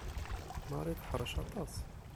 Marie teḥṛec aṭas.